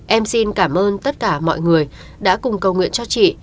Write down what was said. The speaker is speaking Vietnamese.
em xin cảm ơn tất cả mọi người đã cùng cầu nguyện cho chị